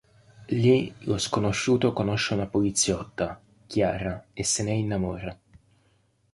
Lì lo sconosciuto conosce una poliziotta, Chiara, e se ne innamora.